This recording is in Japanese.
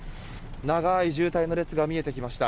長い渋滞の列が見えてきました。